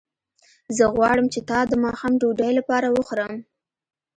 زه غواړم چې تا د ماښام ډوډۍ لپاره وخورم